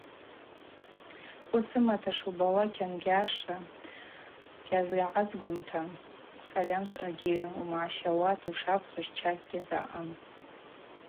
Хвы сымата сшубауа кьангьашра гьазгӏазгуамта ссальамшвъагьи умагӏщауата ушапхьуш чакь гьазгӏазгуам.